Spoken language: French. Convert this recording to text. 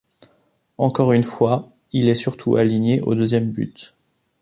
Encore une fois, il est surtout aligné au deuxième but.